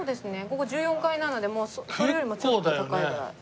ここ１４階なのでそれよりもちょっと高いぐらい。